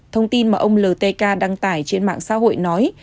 thông tin mà ông l t k đăng tải trên mạng xã hội nói